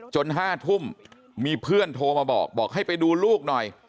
๕ทุ่มมีเพื่อนโทรมาบอกบอกให้ไปดูลูกหน่อย